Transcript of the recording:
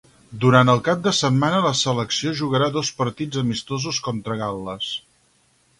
Durant el cap de setmana la selecció jugarà dos partits amistosos contra Gal·les.